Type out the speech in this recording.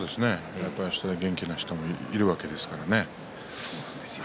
元気な人もいるわけですから。